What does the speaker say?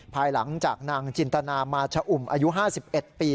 ภายหลังจากนางจินตนามาชะอุ่มอายุ๕๑ปี